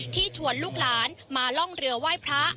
ชวนลูกหลานมาล่องเรือไหว้พระ